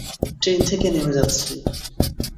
Train থেকে নেমে যাচ্ছি।